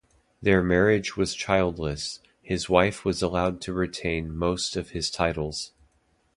Their marriage was childless: his wife was allowed to retain most of his titles.